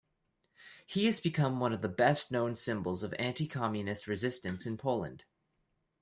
He has become one of the best-known symbols of anti-communist resistance in Poland.